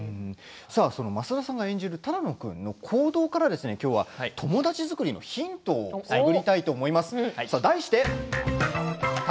増田さんが演じる只野君の行動から友達作りのヒントを教わりたいと思います。